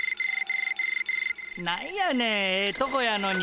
何やねんええとこやのに。